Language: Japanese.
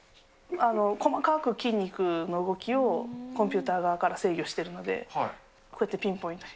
細かく筋肉の動きをコンピューター側から制御しているので、こうやってピンポイントに。